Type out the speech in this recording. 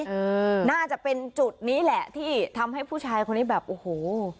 อืมน่าจะเป็นจุดนี้แหละที่ทำให้ผู้ชายคนนี้แบบโอ้โห